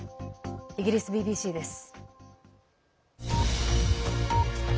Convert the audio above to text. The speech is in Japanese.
イギリスＢＢＣです。